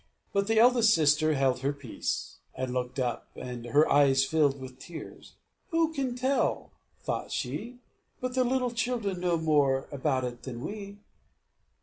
But the eldest sister held her peace, and looked up, and her eyes filled with tears. "Who can tell," thought she, "but the little children know more about it than we?"